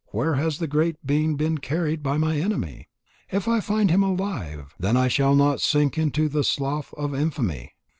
Where has the great being been carried by my enemy? If I find him alive, then I shall not sink into the slough of infamy."